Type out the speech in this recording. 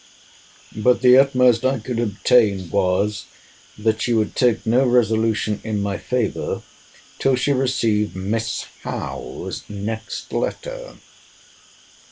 But the utmost I could obtain was, that she would take no resolution in my favour till she received Miss Howe's next letter.